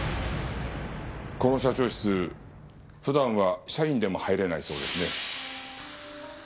この社長室普段は社員でも入れないそうですね。